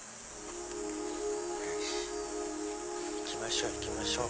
行きましょう行きましょう。